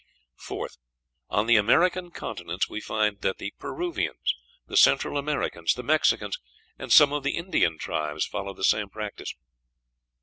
Fourth. On the American continents we find that the Peruvians, the Central Americans, the Mexicans, and some of the Indian tribes, followed the same practice.